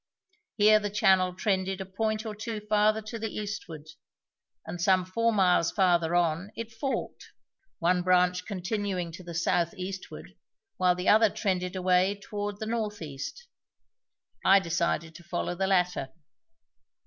Here the channel trended a point or two farther to the eastward; and some four miles farther on it forked, one branch continuing to the south eastward while the other trended away toward the north east. I decided to follow the latter.